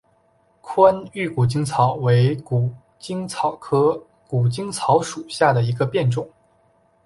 宽玉谷精草为谷精草科谷精草属下的一个变种。